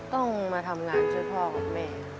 ต้องมาทำงานช่วยพ่อกับแม่